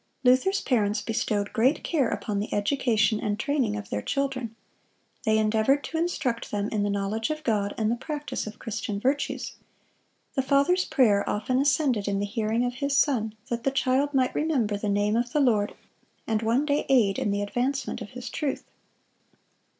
Luther's parents bestowed great care upon the education and training of their children. They endeavored to instruct them in the knowledge of God and the practice of Christian virtues. The father's prayer often ascended in the hearing of his son, that the child might remember the name of the Lord, and one day aid in the advancement of His truth.